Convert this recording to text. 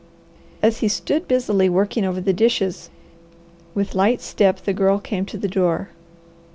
As he stood busily working over the dishes, with light step the Girl came to the door.